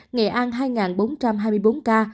nghệ an hai bốn trăm hai mươi bốn ca